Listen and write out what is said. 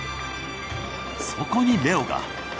そこにレオが。